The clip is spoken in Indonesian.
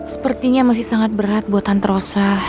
sepertinya masih sangat berat buatan trosa